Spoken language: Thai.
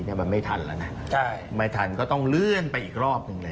แต่มันไม่ทันแล้วนะใช่ไม่ทันก็ต้องเลื่อนไปอีกรอบหนึ่งเลย